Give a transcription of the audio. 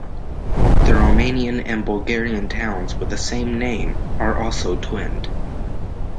The Romanian and Bulgarian towns with the same name are also twinned.